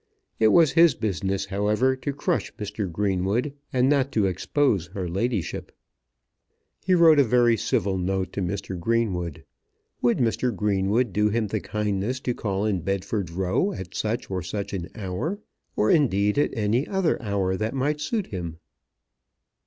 It was his business, however, to crush Mr. Greenwood, and not to expose her ladyship. He wrote a very civil note to Mr. Greenwood. Would Mr. Greenwood do him the kindness to call in Bedford Row at such or such an hour, or indeed at any other hour that might suit him.